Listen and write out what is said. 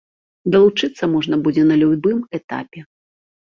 Далучыцца можна будзе на любым этапе.